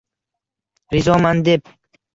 Rizoman deb